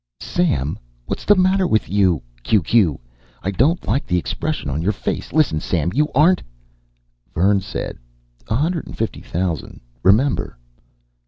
SAM WHATS THE MATTER WITH YOU Q Q I DONT LIKE THE EXPRESSION ON YOUR FACE LISTEN SAM YOU ARENT Vern said, "A hundred and fifty thousand, remember."